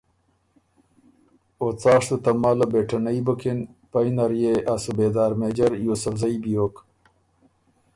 او څاسشتُو تماله بېټنئ بُکِن، پئ نر يې ا صوبېدار مېجر یوسفزئ بیوک